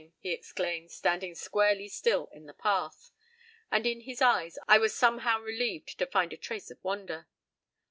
i>" he exclaimed, standing squarely still in the path. And in his eyes I was somehow relieved to find a trace of wonder.